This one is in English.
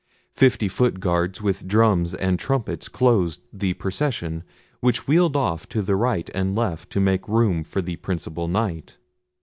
Fifty foot guards with drums and trumpets closed the procession, which wheeled off to the right and left to make room for the principal Knight.